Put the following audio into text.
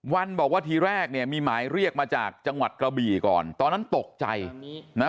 วันบอกว่าทีแรกเนี่ยมีหมายเรียกมาจากจังหวัดกระบี่ก่อนตอนนั้นตกใจนะ